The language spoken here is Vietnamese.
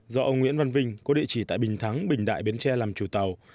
do ông nguyễn văn vinh có địa chỉ tại bình thắng bình đại bến tre làm chủ tàu